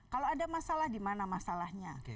kalau ada masalah di mana masalahnya